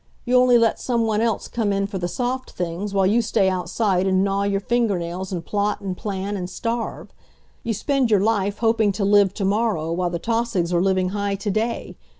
You only let some one else come in for the soft things, while you stay outside and gnaw your finger nails and plot and plan and starve. You spend your life hoping to live to morrow, while the Tausigs are living high to day.